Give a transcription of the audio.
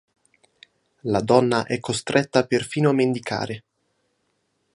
La donna è costretta perfino a mendicare.